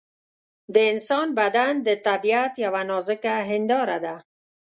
د انسان بدن د طبیعت یوه نازکه هنداره ده.